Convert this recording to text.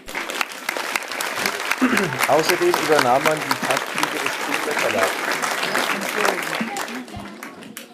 Außerdem übernahm man die Taschenbücher des Kindler Verlags.